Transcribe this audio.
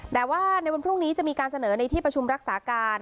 แต่ว่าในวันพรุ่งนี้จะมีการเสนอในที่ประชุมรักษาการ